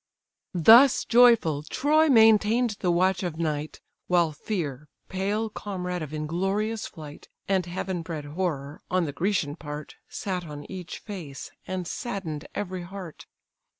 Thus joyful Troy maintain'd the watch of night; While fear, pale comrade of inglorious flight, And heaven bred horror, on the Grecian part, Sat on each face, and sadden'd every heart.